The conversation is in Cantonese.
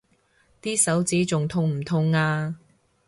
啲手指仲痛唔痛啊？